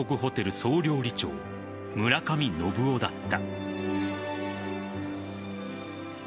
総料理長村上信夫だった。